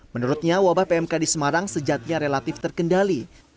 menurutnya wabah pmk di semarang sejatinya relatif terkendali